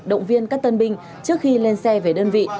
động viên các tân binh trước khi lên xe về đơn vị